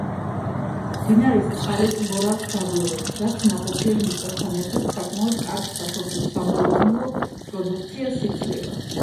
მდინარის წყალი ტბორავს დაბლობებს, რაც ნაყოფიერ მიწასთან ერთად საკმაოდ კარგ სასოფლო-სამეურნეო პროდუქციას იძლევა.